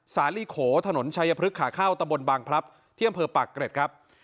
สาลิโขถนนชายพฤกษ์ขาข้าวตะบลบังพรับเที่ยมเผอร์ปักเกรดครับ